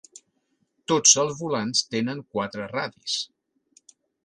Tots els volants tenen quatre radis.